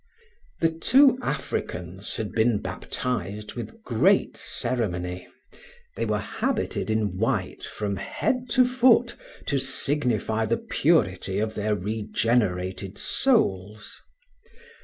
The two Africans had been baptised with great ceremony, they were habited in white from head to foot to signify the purity of their regenerated souls.